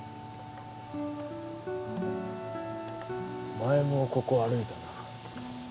前もここ歩いたな